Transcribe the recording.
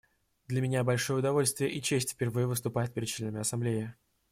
Для меня большое удовольствие и честь впервые выступать перед членами Ассамблеи.